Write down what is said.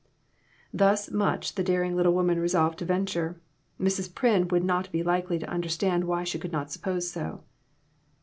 Thus much the daring little woman resolved to venture ; Mrs. Pryn would not be likely to under stand why she could not suppose so.